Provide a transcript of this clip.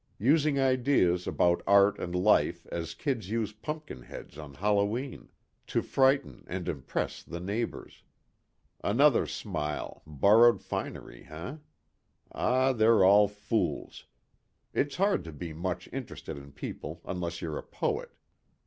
Using ideas about art and life as kids use pumpkin heads on Hallowe'en. To frighten and impress the neighbors. Another simile borrowed finery, eh? Ah, they're all fools. It's hard to be much interested in people unless you're a poet.